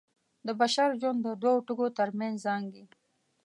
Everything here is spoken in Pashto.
د بشر ژوند د دوو ټکو تر منځ زانګي.